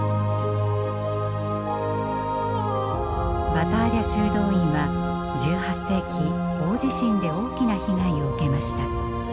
バターリャ修道院は１８世紀大地震で大きな被害を受けました。